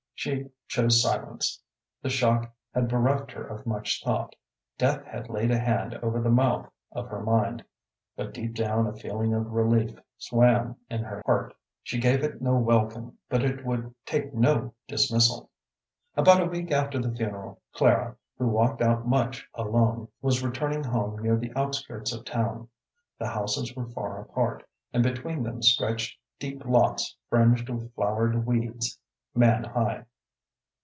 She chose silence. The shock had bereft her of much thought. Death had laid a hand over the mouth of her mind. But deep down a feeling of relief swam in her heart. She gave it no welcome, but it would take no dismissal. About a week after the funeral, Clara, who walked out much alone, was returning home near the outskirts of town. The houses were far apart, and between them stretched deep lots fringed with flowered weeds man high.